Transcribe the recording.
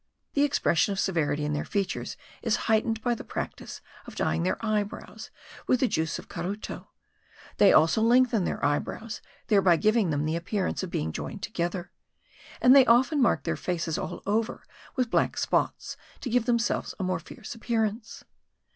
The expression of severity in their features is heightened by the practice of dyeing their eyebrows with the juice of caruto: they also lengthen their eyebrows, thereby giving them the appearance of being joined together; and they often mark their faces all over with black spots to give themselves a more fierce appearance.